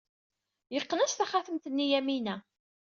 Yeqqen-as taxatemt-nni i Yamina.